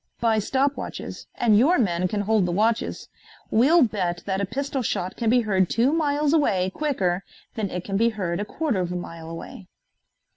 "By stop watches, and your men can hold the watches. We'll bet that a pistol shot can be heard two miles away quicker than it can be heard a quarter of a mile away."